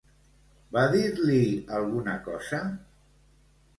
Va dir-li alguna cosa?